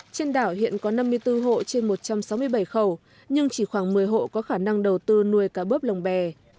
trên đảo hiện có năm mươi bốn hộ trên một trăm sáu mươi bảy khẩu nhưng chỉ khoảng một mươi hộ có khả năng đầu tư nuôi cá bớp lồng bè